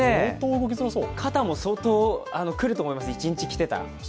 肩も相当くると思います、一日着てたら。